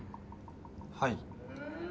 はい。